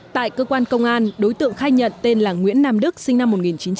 tại cơ quan công an đối tượng khai nhận tên là nguyễn nam đức sinh năm một nghìn chín trăm tám mươi